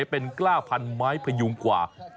เป็นกล้าพันไม้พยุงกว่า